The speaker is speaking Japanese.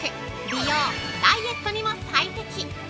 美容・ダイエットにも最適！